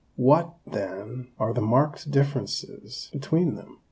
What, then, are the marked differences between them?